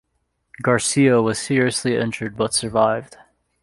Garcia was seriously injured but survived.